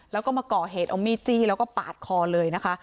แล้วก็มาก่อเหตุเอามีดจี้แล้วก็ปาดคอเลยนะคะ